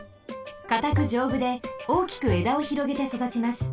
かたくじょうぶで大きくえだをひろげてそだちます。